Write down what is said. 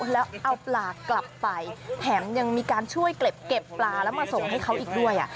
แล้วเอาปลากลับไปแถมยังมีการช่วยเก็บปลาแล้วมาส่งให้เขาอีกด้วย